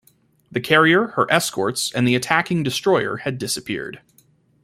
The carrier, her escorts, and the attacking destroyer had disappeared.